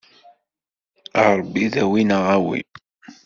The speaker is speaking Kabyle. A Ṛebbi dawi neɣ awi.